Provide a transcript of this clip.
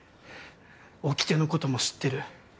おきてのことも知ってる。